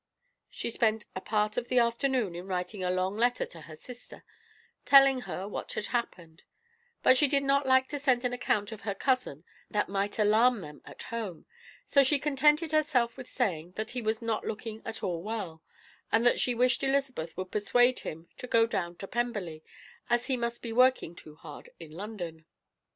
She spent a part of the afternoon in writing a long letter to her sister, telling her what had happened; but she did not like to send an account of her cousin that might alarm them at home, so she contented herself with saying that he was not looking at all well, and that she wished Elizabeth would persuade him to go down to Pemberley, as he must be working too hard in London.